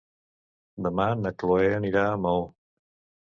Demà na Chloé anirà a Maó.